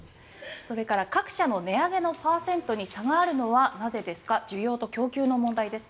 それから各社の値上げのパーセントに差があるのはなぜですか需要と供給の問題ですか？